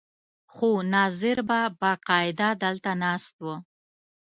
خو ناظر به باقاعده دلته ناست و.